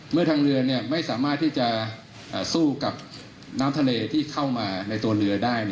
เมื่อทางเรือไม่สามารถที่จะสู้กับน้ำทะเลที่เข้ามาในตัวเรือได้